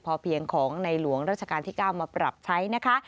พอเพียงของในหลวงราชการที่๙มาปรับใช้นะคะ